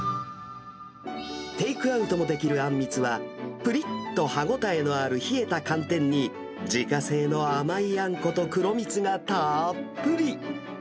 テイクアウトもできるあんみつは、ぷりっと歯応えのある冷えた寒天に、自家製の甘いあんこと黒蜜がたっぷり。